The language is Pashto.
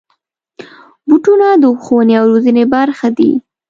بوټونه د ښوونې او روزنې برخه دي.